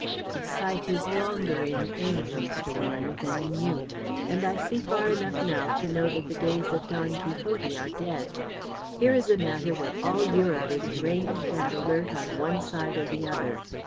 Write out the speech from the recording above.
The sight is longer in age, Mr. Warner, than in youth, and I see far enough now to know that the days of Don Quixote are dead. Here is a matter where all Europe is ranged and alert on one side or the other.